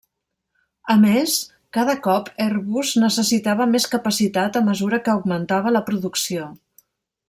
A més, cada cop Airbus necessitava més capacitat a mesura que augmentava la producció.